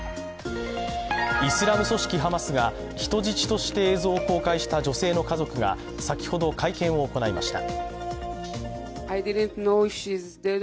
イスラム組織ハマスが人質として映像を公開した女性の家族が先ほど会見を行いました。